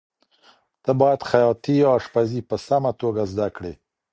ته باید خیاطي یا اشپزي په سمه توګه زده کړې.